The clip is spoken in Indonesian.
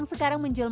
oke kita angkat dulu